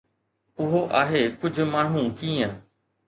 اهو آهي ڪجهه ماڻهو ڪيئن